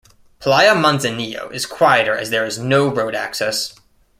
Playa Manzanillo is quieter as there is no road access.